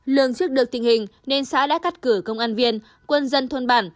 lường trước được tình hình nên xã đã cắt cửa công an viên quân dân thôn bản